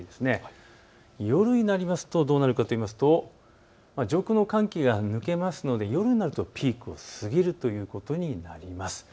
夜になると、どうなるかというと上空の寒気が抜けるので夜になるとピークを過ぎるということになります。